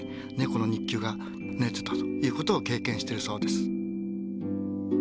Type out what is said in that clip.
この肉球がぬれてたということを経験してるそうです。